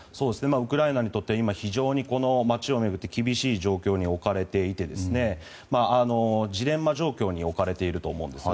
ウクライナはこの街を巡って厳しい状況に置かれていてジレンマ状況に置かれていると思うんです。